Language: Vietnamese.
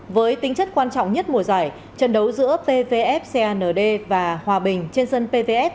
với tính chất quan trọng nhất mùa giải trận đấu giữa pvf cand và hòa bình trên dân pvf